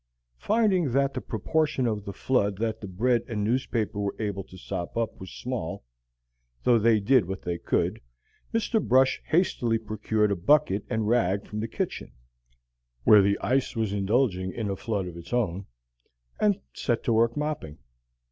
Finding that the proportion of the flood that the bread and the newspaper were able to sop up was small, though they did what they could, Mr. Brush hastily procured a bucket and rag from the kitchen, where the ice was indulging in a flood of its own, and set to work mopping.